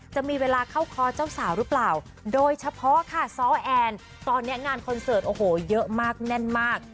จะมีเวลาเข้าคอเจ้าสาวหรือเปล่าโดยเฉพาะค่ะซ้อแอนตอนนี้งานคอนเสิร์ตโอ้โหเยอะมากแน่นมาก